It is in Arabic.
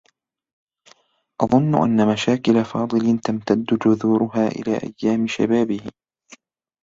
أظنّ أنّ مشاكل فاضل تمتدّ جذورها إلى أيّام شبابه.